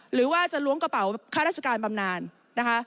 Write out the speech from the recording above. หรือว่าจะล้วงกระเป๋าค่าราชการบำนานนะคะ